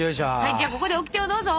じゃあここでオキテをどうぞ！